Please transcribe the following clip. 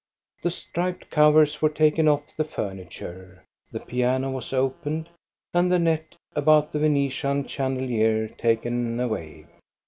The striped covers were taken off the furniture, the piano was opened, and the net about the Venetian chandelier taken away.